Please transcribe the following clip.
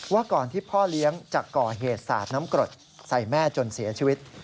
ก่อนที่พ่อเลี้ยงจะก่อเหตุสาดน้ำกรดใส่แม่จนเสียชีวิต